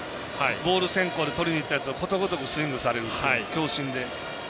ボール先行でとりにいったやつをことごとくスイングされるっていう、強振で。